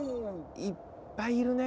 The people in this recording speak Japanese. いっぱいいるねぇ。